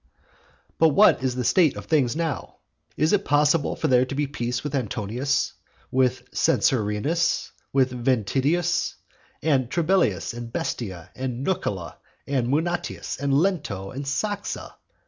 II. But what is the state of things now? Is it possible for there to be peace with Antonius? with Censorinus, and Ventidius, and Trebellius, and Bestia, and Nucula, and Munatius, and Lento, and Saxa?